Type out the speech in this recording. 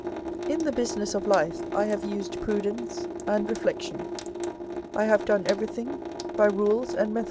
'" In the business of life I have used prudence and reflection ; I have done every thing by rules and me DEVOUT AND HOLY LIFE.